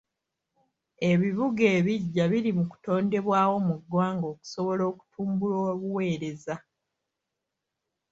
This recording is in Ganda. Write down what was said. Ebibuga ebiggya biri mu kutondebwawo mu ggwanga okusobola okutumbula obuweereza.